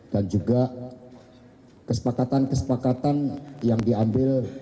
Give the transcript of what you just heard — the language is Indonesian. dan juga kesepakatan kesepakatan yang diambil